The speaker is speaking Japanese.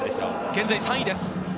現在３位です。